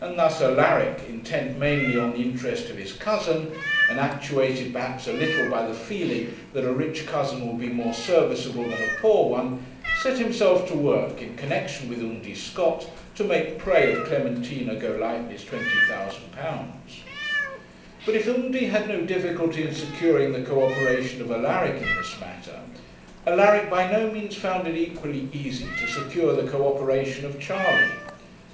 And thus Alaric, intent mainly on the interest of his cousin, and actuated perhaps a little by the feeling that a rich cousin would be more serviceable than a poor one, set himself to work, in connexion with Undy Scott, to make prey of Clementina Golightly's £20,000. But if Undy had no difficulty in securing the co operation of Alaric in this matter, Alaric by no means found it equally easy to secure the co operation of Charley.